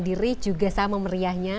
diri juga sama meriahnya